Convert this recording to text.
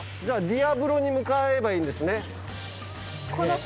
じゃあディアブロに向かえばいいんですね。